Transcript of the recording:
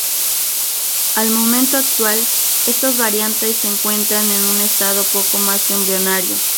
Al momento actual, estas variantes se encuentra en un estado poco más que embrionario.